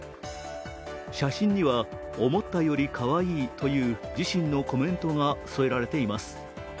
写真には思ったよりかわいいという、自身のコメントが添えられています。